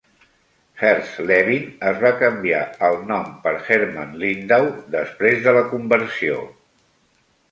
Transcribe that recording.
Hertz Levin es va canviar el nom per Hermann Lindau després de la conversió.